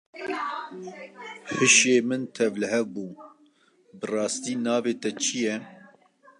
Hişê min tevlihev bû, bi rastî navê te çi ye?